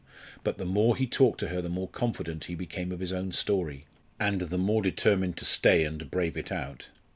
But the more he talked to her the more confident he became of his own story, and the more determined to stay and brave it out.